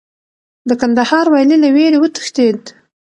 د کندهار والي له ویرې وتښتېد.